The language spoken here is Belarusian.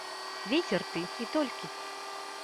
Вецер ты, і толькі.